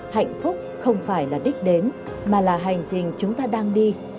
hạnh phúc không phải là đích đến mà là hành trình chúng ta đang đi